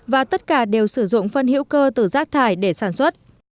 và tất cả đều sử dụng phân hữu cơ từ rác thải để sản xuất